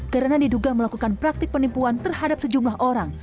karena diduga melakukan praktik penipuan terhadap sejumlah orang